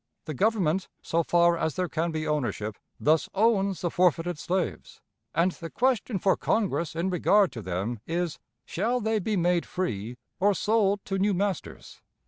The Government, so far as there can be ownership, thus owns the forfeited slaves, and the question for Congress in regard to them is, 'Shall they be made free or sold to new masters?'"